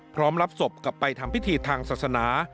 รับศพกลับไปทำพิธีทางศาสนา